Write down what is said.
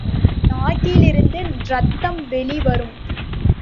நாக்கிலிருந்து இரத்தம் வெளி வரும்.